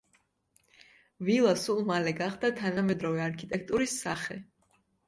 ვილა სულ მალე გახდა თანამედროვე არქიტექტურის სახე.